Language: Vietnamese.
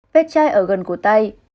vết chai ở gần cổ tay